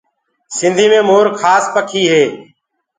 سنڌي مي مور کاس پکي هي۔